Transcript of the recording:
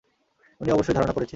ওনি অবশ্যই ধারণা করেছে।